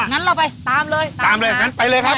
งั้นเราไปตามเลยตามครับก็ตามเลยงั้นไปเลยครับ